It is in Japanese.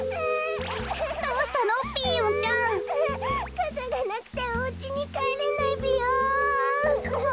かさがなくておうちにかえれないぴよん。